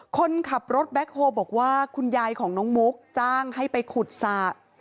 คนขับรถแบ็คโฮลบอกว่าคุณยายของน้องมุกจ้างให้ไปขุดสระ